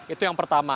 itu yang pertama